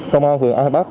công an phường an hải bắc